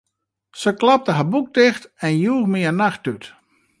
Se klapte har boek ticht en joech my in nachttút.